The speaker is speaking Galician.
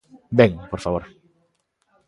Ben, por favor.